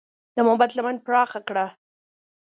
د محبت لمن پراخه کړه.